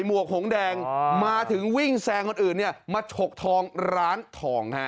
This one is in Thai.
หวกหงแดงมาถึงวิ่งแซงคนอื่นเนี่ยมาฉกทองร้านทองฮะ